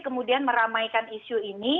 kemudian meramaikan isu ini